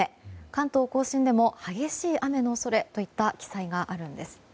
関東・甲信でも激しい雨の恐れといった記載があるんです。